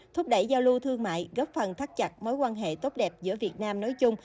thúc đẩy giao lưu thương mại góp phần thắt chặt mối quan hệ tốt đẹp giữa việt nam nói chung